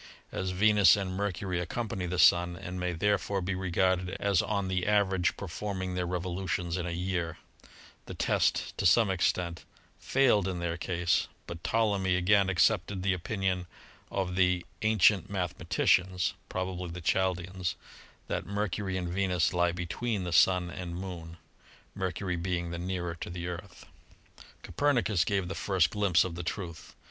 As Venus and Mercury accompany the Sun, and may there fore be regarded as on the average performing their revo lutions in a year, the test to some extent failed in their 62 ASTRONOMY case, but Ptolemy again accepted the opinion of the "an cient mathematicians" — probably the Chaldeans — that Mercury and Venus lie between the Sun and Moon, Mer cury being the nearer to the Earth. Copernicus gave the first glimpse of the truth.